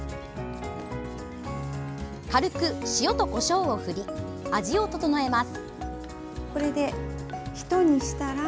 軽く塩とこしょうを振り味を調えます。